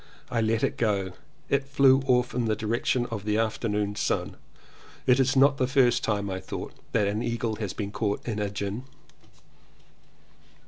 I let it go and it flew off in the direction of the afternoon sun. It is not the first time, I thought, that an eagle has been caught in a gin.